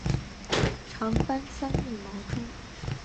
长斑三栉毛蛛为管网蛛科三栉毛蛛属的动物。